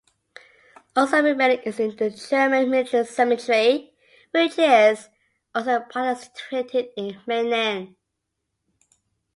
Also remaining is the German Military cemetery, which is also partly situated in Menen.